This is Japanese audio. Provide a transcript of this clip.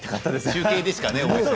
中継でしかね